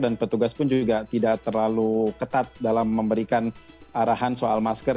dan petugas pun juga tidak terlalu ketat dalam memberikan arahan soal masker